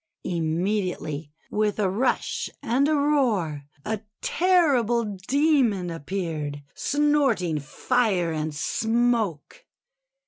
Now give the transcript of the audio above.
Immediately, with a rush and a roar, a terri ble Demon appeared, snorting fire and smoke.